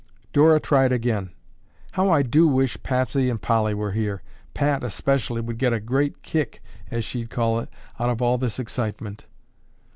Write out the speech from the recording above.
Dora tried again. "How I do wish Patsy and Polly were here! Pat, especially, would get a great 'kick,' as she'd call it, out of all this excitement."